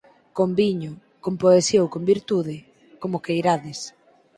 Con viño, con poesía ou con virtude, como queirades.